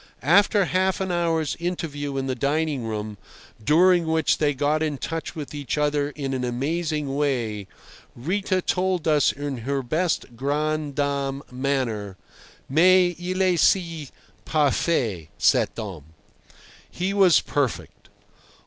After half an hour's interview in the dining room, during which they got in touch with each other in an amazing way, Rita told us in her best grande dame manner: "Mais il esi parfait, cet homme." He was perfect.